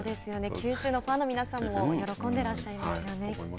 九州のファンの皆さんも喜んでいらっしゃいますよね。